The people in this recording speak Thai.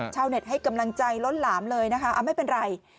ชาวเน็ตให้กำลังใจล้นหลามเลยนะคะไม่เป็นไร